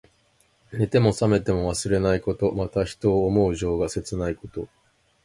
寝ても冷めても忘れないこと。また、人を思う情が切ないこと。